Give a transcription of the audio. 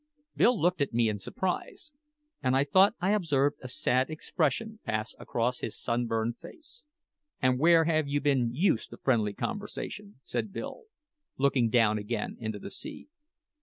Bill looked at me in surprise, and I thought I observed a sad expression pass across his sunburned face. "An' where have you been used to friendly conversation?" said Bill, looking down again into the sea.